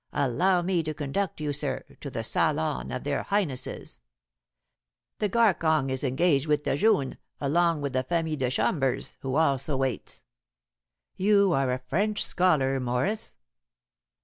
Allow me to conduct you, sir, to the salon of their Highnesses. The garkong is engaged with the dejune, along with the femmie de chambers, who also waits." "You are quite a French scholar, Morris."